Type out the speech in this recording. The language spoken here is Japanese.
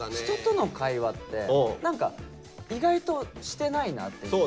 人との会話って何か意外としてないなって。